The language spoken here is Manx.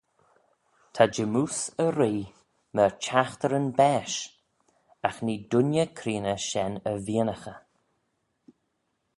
Ta jymmoose y ree myr chaghteryn baaish: agh nee dooinney creeney shen y veeinaghey.